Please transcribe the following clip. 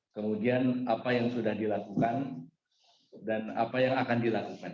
kemudian apa yang sudah dilakukan dan apa yang akan dilakukan